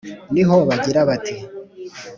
ni ho bagira bati: